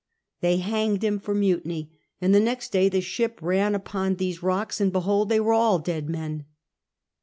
They hanged him for mutiny ; and the next day the ship ran upon these rocks, and behold ! they were all dead men.